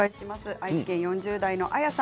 愛知県４０代の方。